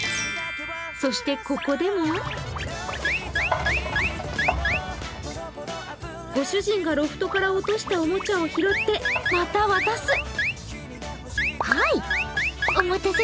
そして、ここでもご主人がロフトから落としたおもちゃを拾って、また渡す。